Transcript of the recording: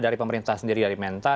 dari pemerintah sendiri dari mental